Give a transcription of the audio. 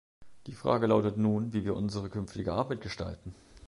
Die Frage lautet nun, wie wir unsere künftige Arbeit gestalten.